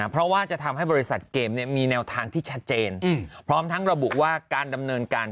เพราะว่าจะทำให้บริษัทเกมมีแนวทางที่ชัดเจนพร้อมทั้งระบุว่าการดำเนินการ